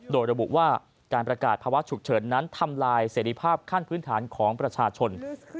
โดยระบุว่าการประกาศภาวะฉุกเฉินนั้นทำลายเสรีภาพขั้นพื้นฐานของประชาชน